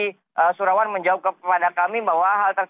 jadi surawan menjawab kepada kami bahwa